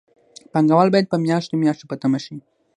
پانګوال باید په میاشتو میاشتو په تمه شي